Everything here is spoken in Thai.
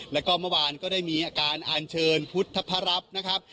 แล้วก็เมื่อวานก็ได้มีอาการอันเชิญพุทธพระรับนะครับ